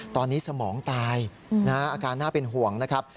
ตอนนี้สมองตายอาการน่าเป็นห่วงนะครับ